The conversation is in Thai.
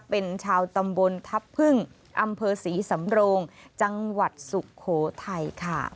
เป็นชาวตำบลทัพพึ่งอำเภอศรีสำโรงจังหวัดสุโขทัยค่ะ